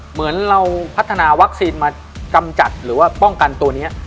เหมือนเราพัฒนาวัคซีนมากำจัดหรือว่าป้องกันตัวนี้